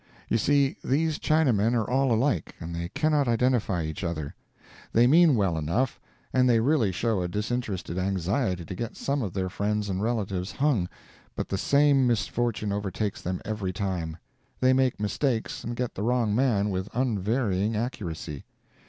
You see, these Chinamen are all alike, and they cannot identify each other. They mean well enough, and they really show a disinterested anxiety to get some of their friends and relatives hung, but the same misfortune overtakes them every time: they make mistakes and get the wrong man, with unvarying accuracy.